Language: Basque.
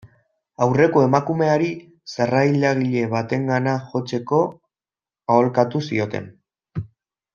Aurreko emakumeari, sarrailagile batengana jotzeko aholkatu zioten.